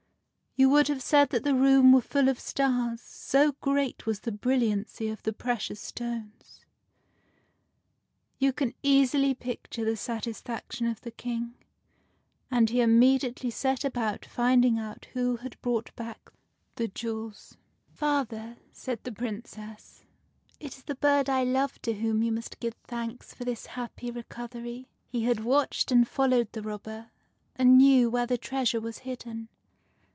You would have said that the room was full of stars, so great was the brilliancy of the precious stones. You can easily picture the satisfaction of the King, and he immediately set about finding out who had brought back the jewels. " Father," said the Princess, " it is the bird I love to whom you must give thanks for this happy recovery. He had watched and followed the robber, and knew where the treasure was hidden.